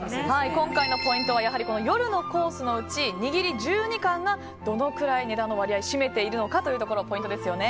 今回のポイントはやはり夜のコースのうち握り１２貫が、どのくらい値段の割合を占めているのかがポイントですよね。